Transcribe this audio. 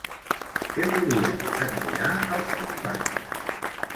Què volien admirar els companys?